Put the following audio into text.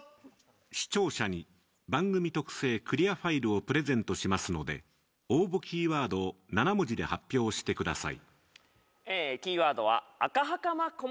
視聴者に番組特製クリアファイルをプレゼントしますので応募キーワードを７文字で発表してください。